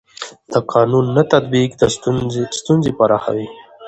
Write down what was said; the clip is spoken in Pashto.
د قانون نه تطبیق ستونزې پراخوي